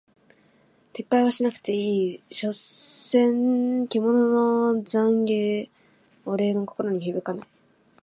撤回はしなくていい、所詮獣の戯言俺の心には響かない。